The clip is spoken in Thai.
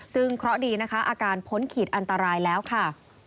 ซึ่งเคราะห์ดีนะคะอาการพ้นขีดอันตรายแล้วค่ะ